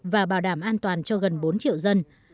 và bảo đảm an toàn cho gần bốn triệu dân